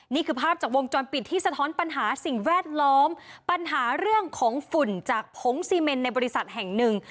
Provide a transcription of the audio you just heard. นี่คือภาพจากวงจรปิดที่สะท้อนปัญหาสิ่งแวดล้อมปัญหาเรื่องของฝุ่นจากผงซีเมนในบริษัทแห่งหนึ่ง